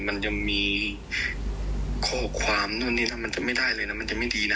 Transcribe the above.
มันจะมีข้อความตรงนี้น่ะมันจะไม่ได้เลยน่ะมันจะไม่ดีน่ะ